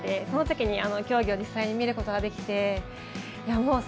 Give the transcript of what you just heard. そのときに、競技を実際に見ることができて。